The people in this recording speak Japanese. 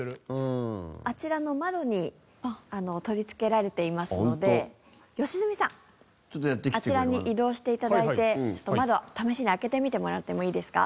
あちらの窓に取り付けられていますので良純さんあちらに移動して頂いて窓を試しに開けてみてもらってもいいですか？